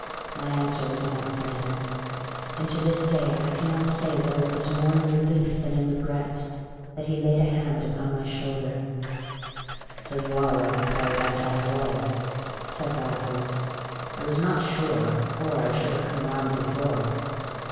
My answer was enough for him. And to this day I cannot say whether it was more in relief than in regret that he laid a hand upon my shoulder. "So you are out of Paradise after all!" said Raffles. "I was not sure, or I should have come round before.